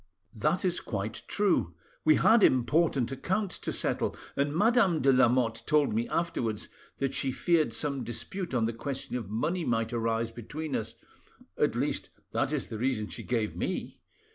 "That is quite true. We had important accounts to settle, and Madame de Lamotte told me afterwards that she feared some dispute on the question of money might arise between us—at least, that is the reason she gave me.